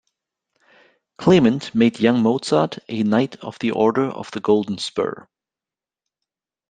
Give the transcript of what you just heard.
Clement made young Mozart a knight of the Order of the Golden Spur.